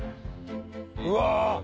うわ。